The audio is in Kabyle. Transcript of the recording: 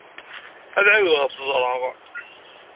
Ad ɛawdeɣ ad t-ẓreɣ.